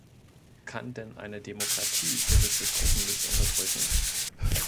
Kann denn eine Demokratie gewisse Gruppen nicht unterdrücken?